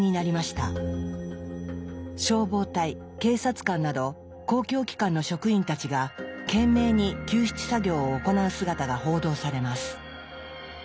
消防隊警察官など公共機関の職員たちが懸命に救出作業を行う姿が報道されます。